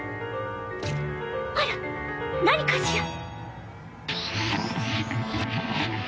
あら何かしら？